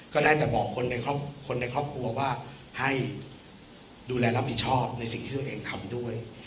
ก็ได้แต่บอกคนในคนในครอบครัวว่าให้ดูแลรับผิดชอบในสิ่งที่ตัวเองทำด้วย